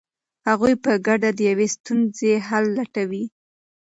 هغوی په ګډه د یوې ستونزې حل لټوي.